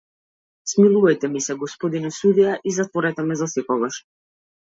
Смилувајте ми се, господине судија, и затворете ме засекогаш!